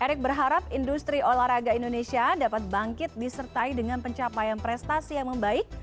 erick berharap industri olahraga indonesia dapat bangkit disertai dengan pencapaian prestasi yang membaik